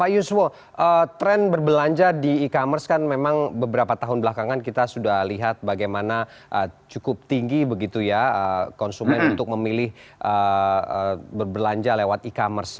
pak yuswo tren berbelanja di e commerce kan memang beberapa tahun belakangan kita sudah lihat bagaimana cukup tinggi begitu ya konsumen untuk memilih berbelanja lewat e commerce